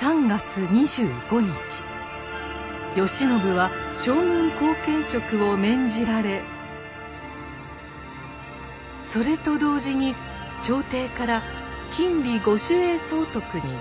３月２５日慶喜は将軍後見職を免じられそれと同時に朝廷から禁裏御守衛総督に任命されました。